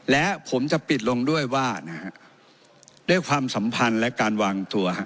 และผมจะปิดลงด้วยว่านะฮะด้วยความสัมพันธ์และการวางตัว